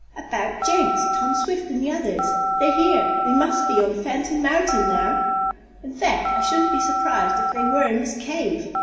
"About Jenks, Tom Swift and the others. They're here they must be on Phantom Mountain now. In fact, I shouldn't be surprised if they were in this cave.